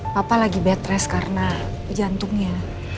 papa lagi bed rest karena pejantungnya